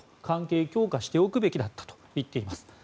関係強化しておくべきだったと言っています。